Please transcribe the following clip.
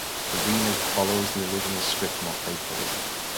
The re-make follows the original script more faithfully.